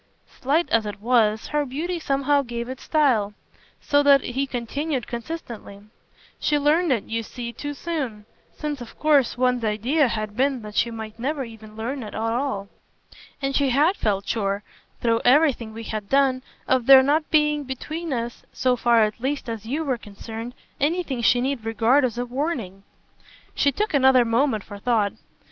Slight as it was, her beauty somehow gave it style; so that he continued consistently: "She learned it, you see, too soon since of course one's idea had been that she might never even learn it at all. And she HAD felt sure through everything we had done of there not being between us, so far at least as you were concerned, anything she need regard as a warning." She took another moment for thought.